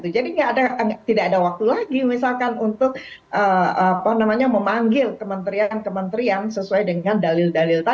jadi tidak ada waktu lagi misalkan untuk memanggil kementerian kementerian sesuai dengan dalil dalil